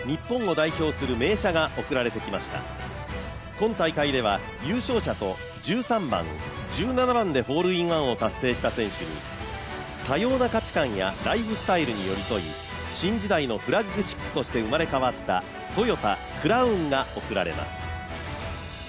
今大会では優勝者と１３番、１７番でホールインワンを達成した選手に多様な価値観やライフスタイルに寄り添い新時代のフラッグシップとして生まれ変わったトヨタ・クラウンが贈られます。